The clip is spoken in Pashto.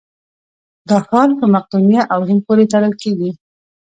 دا ښار په مقدونیه او روم پورې تړل کېږي.